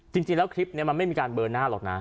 จริงแล้วคลิปนี้มันไม่มีการเบอร์หน้าหรอกนะ